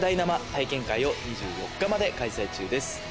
体験会を２４日まで開催中です。